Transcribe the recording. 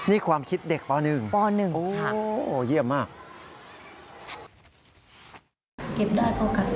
นี่ความคิดเด็กป๑ค่ะโอ้โฮเยี่ยมมากป๑ค่ะ